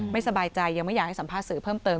ไม่สบายใจยังไม่อยากให้สัมภาษณ์สื่อเพิ่มเติม